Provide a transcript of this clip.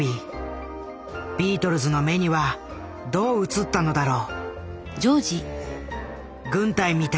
ビートルズの目にはどう映ったのだろう。